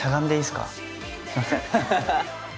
すいません。